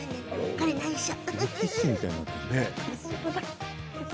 これないしょ。